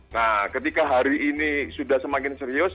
nah ketika hari ini sudah semakin serius